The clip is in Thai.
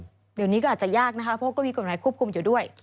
เดี๋ยวนี้ก็อาจจะยากนะคะเพราะก็มีกฎหมายควบคุมอยู่ด้วย